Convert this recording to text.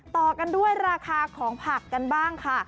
ต่อกันด้วยราคาของผักกันบ้างค่ะ